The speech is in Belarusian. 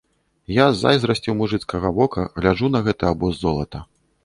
Я з зайздрасцю мужыцкага вока гляджу на гэты абоз золата.